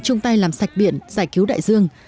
trung tay làm sạch biển giải cứu đại dương